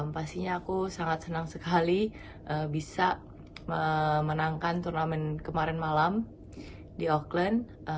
pastinya aku sangat senang sekali bisa menangkan turnamen kemarin malam di auckland